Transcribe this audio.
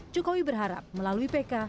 jokowi berharap melalui pk